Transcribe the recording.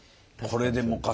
「これでもか！」